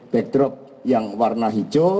backdrop yang warna hijau